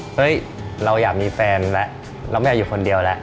เฮ้ยเราอยากมีแฟนแล้วเราไม่อยากอยู่คนเดียวแล้ว